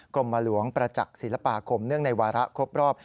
กรมหลวงประจักษ์ศิลปาคมเนื่องในวาระครบรอบ